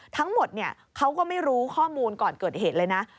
ทั้งหมดเขาก็ไม่รู้ข้อมูลก่อนเกิดเหตุเลยนะ